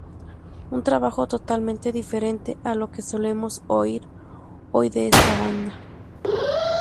Un trabajo totalmente diferente a lo que solemos oír hoy de esta banda.